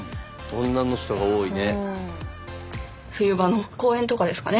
女の人が多いね。